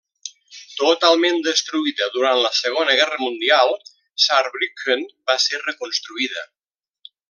Totalment destruïda durant la Segona Guerra Mundial, Saarbrücken va ser reconstruïda.